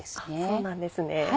そうなんですね。